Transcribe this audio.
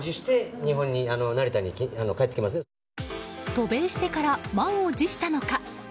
渡米してから満を持したのか。